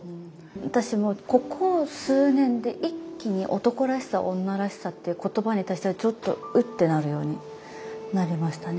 私もここ数年で一気に「男らしさ女らしさ」っていう言葉に対してはちょっと「うっ！」ってなるようになりましたね。